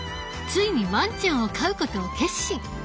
ついにワンちゃんを飼うことを決心。